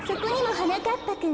はなかっぱくん。